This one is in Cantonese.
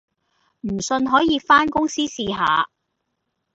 唔信可以番公司試下